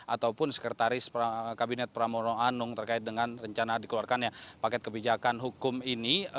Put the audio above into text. ataupun sekretaris kabinet pramono anung terkait dengan rencana dikeluarkannya paket kebijakan hukum ini